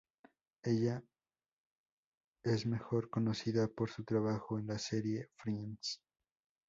Ella es mejor conocida por su trabajo en la serie "Friends.